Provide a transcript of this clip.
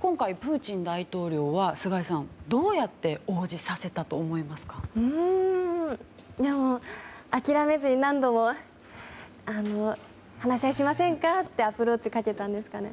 今回、プーチン大統領は菅井さん、どうやって諦めずに何度も話し合いをしませんかってアプローチをかけたんですかね。